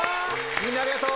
みんなありがとう。